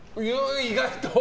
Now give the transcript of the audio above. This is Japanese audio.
意外と。